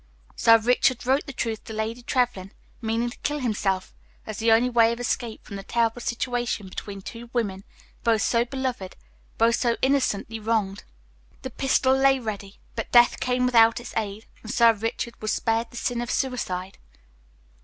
Sir Richard wrote the truth to Lady Trevlyn, meaning to kill himself, as the only way of escape from the terrible situation between two women, both so beloved, both so innocently wronged. The pistol lay ready, but death came without its aid, and Sir Richard was spared the sin of suicide."